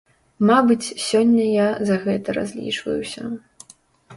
Мабыць, сёння я за гэта разлічваюся.